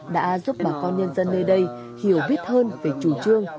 đã giúp bà con nhân dân nơi đây hiểu biết hơn về chủ trương